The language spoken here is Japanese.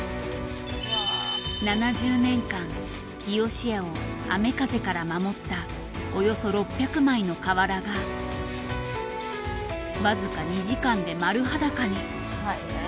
７０年間日よしやを雨風から守ったおよそ６００枚の瓦がわずか２時間で丸裸に。